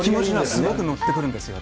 すごく乗ってくるんですよね。